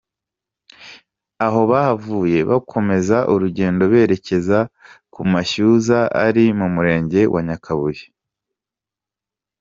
Aho bahavuye bakomezaurugendo berekeza ku Mashyuza ari mu Murenge wa Nyakabuye.